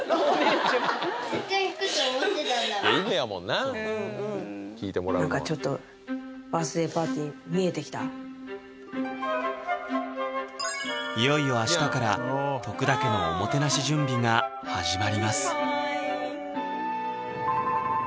夢やもんな何かちょっといよいよ明日から徳田家のおもてなし準備が始まります